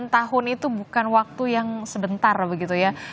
delapan tahun itu bukan waktu yang sebentar begitu ya